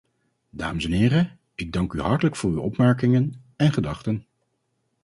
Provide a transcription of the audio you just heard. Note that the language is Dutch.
Dames en heren, ik dank u hartelijk voor uw opmerkingen en gedachten.